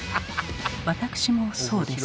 私もそうです。